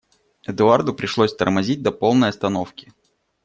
Эдуарду пришлось тормозить до полной остановки.